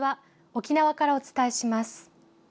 沖縄からお伝えします。